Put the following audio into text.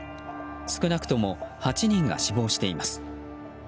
少なくとも８人が死亡しています。